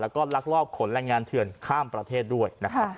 แล้วก็ลักลอบขนแรงงานเถื่อนข้ามประเทศด้วยนะครับ